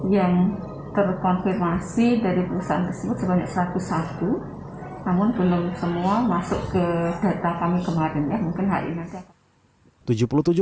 yang terkonfirmasi dari perusahaan tersebut sebanyak satu ratus satu namun belum semua masuk ke data kami kemarin ya mungkin hari ini ada